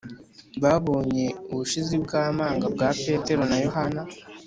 Babonye ubushizi bw amanga bwa Petero na Yohana